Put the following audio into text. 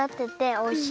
おいしい！